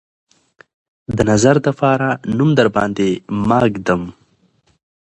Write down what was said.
د نظر دپاره نوم درباندې ماه ږدم